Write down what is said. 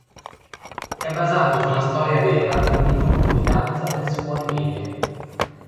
È basato su una storia vera di un gruppo di danza delle scuole medie.